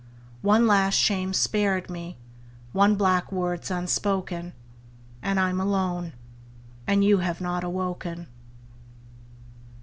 One last shame's spared me, one black word's unspoken; And I'm alone; and you have not awoken.